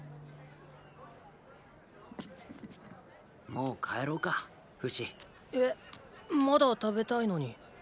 もう帰ろうかフシ。えまだ食べたいのに。